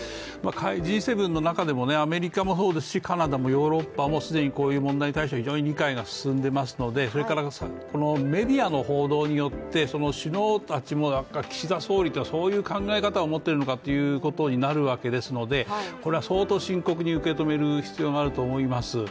Ｇ７の中でもアメリカもカナダもヨーロッパも既にこういう問題に対して非常に理解が進んでいますのでメディアの報道によって、首脳たちも、岸田総理というのはそういう考え方を持っているのかということになるわけですのでこれは相当、深刻に受け止める必要があると思います。